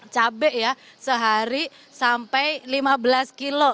cabai ya sehari sampai lima belas kilo